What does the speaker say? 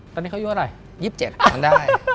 ตอนนี้เขาอยู่ว่าอะไร